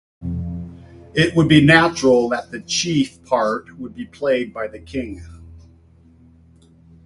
It would be natural that the chief part should be played by the king.